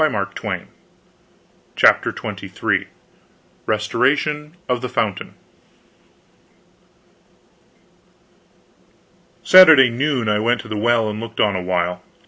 Editor] CHAPTER XXIII RESTORATION OF THE FOUNTAIN Saturday noon I went to the well and looked on a while.